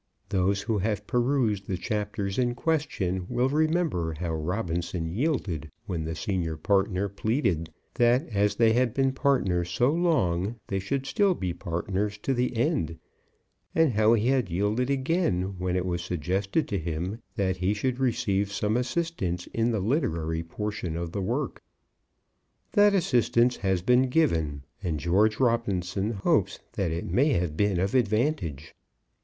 Those who have perused the chapter in question will remember how Robinson yielded when the senior partner pleaded that as they had been partners so long, they should still be partners to the end; and how he had yielded again when it was suggested to him that he should receive some assistance in the literary portion of the work. That assistance has been given, and George Robinson hopes that it may have been of advantage.